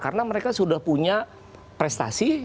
karena mereka sudah punya prestasi